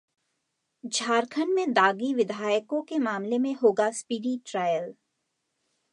झारखंड में दागी विधायकों के मामले में होगा स्पीडी ट्रायल